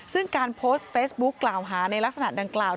ซึ่งการโพสต์เฟซบุ๊คกล่าวหาในลักษณะดังกล่าว